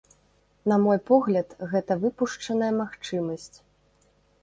На мой погляд, гэта выпушчаная магчымасць.